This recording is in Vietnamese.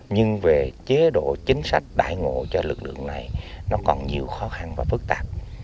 nhưng về chế độ chính sách đại ngộ cho lực lượng này nó còn nhiều khó khăn và phức tạp